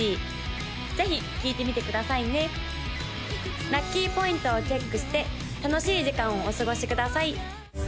ぜひ聴いてみてくださいね・ラッキーポイントをチェックして楽しい時間をお過ごしください！